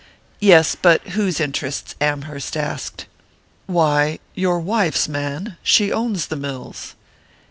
"Yes; but whose interests?" Amherst asked. "Why your wife's, man! She owns the mills."